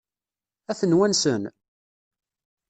Ad ten-wansen?